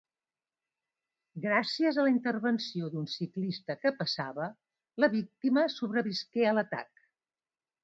Gràcies a la intervenció d'un ciclista que passava, la víctima sobrevisqué a l'atac.